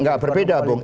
nggak berbeda bung